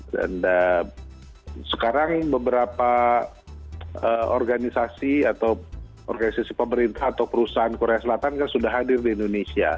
dan sekarang beberapa organisasi atau organisasi pemerintah atau perusahaan korea selatan kan sudah hadir di indonesia